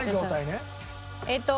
えっと